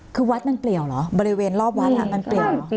คือวัดมันเปลี่ยวเหรอบริเวณรอบวัดมันเปลี่ยวเหรอ